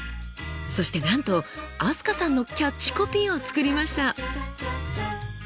そしてなんと飛鳥さんのキャッチコピーを作りました。